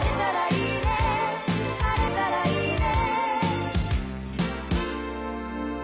「晴れたらいいね」